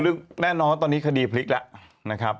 แน่นอนว่าตอนนี้คดีพลิกแล้วนะครับ